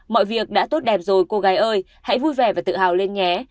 mọi việc đã tốt đẹp rồi cô gái ơi hãy vui vẻ và tự hào lên nhé